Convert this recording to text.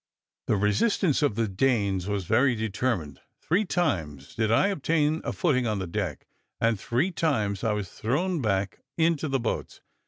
The resistance of the Danes was very determined. Three times did I obtain a footing on the deck, and three times was I thrown back into the boats.